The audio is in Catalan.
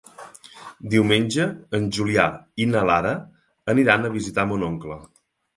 Diumenge en Julià i na Lara aniran a visitar mon oncle.